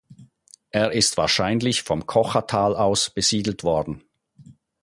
Er ist wahrscheinlich vom Kochertal aus besiedelt worden.